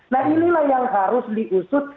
nah inilah yang harus diusut